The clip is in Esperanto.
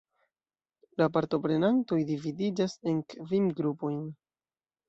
La partoprenantoj dividiĝas en kvin grupojn.